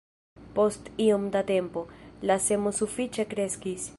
Post iom da tempo, la semo sufiĉe kreskis.